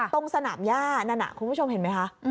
ตรงสนามย่านั่นคุณผู้ชมเห็นไหมคะ